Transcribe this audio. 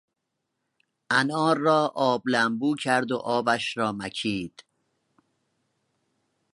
انار را آب لمبو کرد و آبش را مکید.